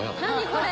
これ。